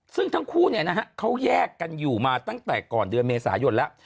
ซึ่งทั้งคู่เขาแยกกันอยู่มาตั้งแต่ก่อนเดือนเมษายนแล้ว